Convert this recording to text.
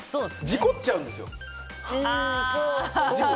事故っちゃうんですよ。